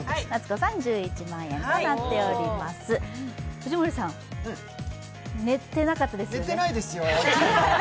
藤森さん、寝てなかったですよね？